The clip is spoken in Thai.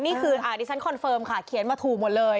นี่คือดิฉันคอนเฟิร์มค่ะเขียนมาถูกหมดเลย